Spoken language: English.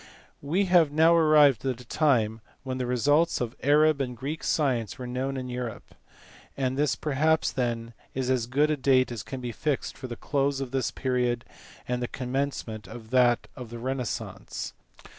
We have now arrived at a time when the results of Arab and Greek science were known in Europe ; and this perhaps then is as good a date as can be fixed for the close of this period and the commencement of that of the renaissance.